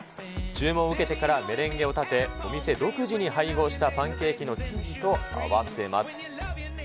注文を受けてからメレンゲを立て、お店独自に配合したパンケーキの生地と合わせます。